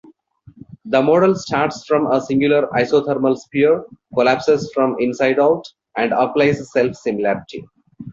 The model starts from a singular isothermal sphere, collapses from inside-out, and applies self-similarity.